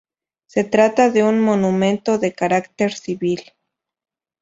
Se trata de un monumento de carácter civil.